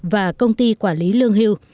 và công ty quản lý lương hiệu